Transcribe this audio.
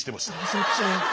そっち。